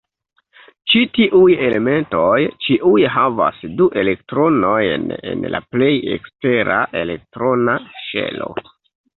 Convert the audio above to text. Ĉi-tiuj elementoj ĉiuj havas du elektronojn en la plej ekstera elektrona ŝelo.